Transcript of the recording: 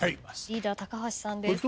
リーダー高橋さんです。